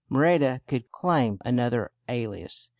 Merida could claim another alias.